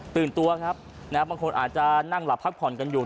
ตัวครับบางคนอาจจะนั่งหลับพักผ่อนกันอยู่